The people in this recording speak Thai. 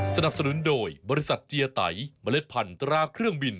สนับสนุนโดยบริษัทเจียไตเมล็ดพันธุตราเครื่องบิน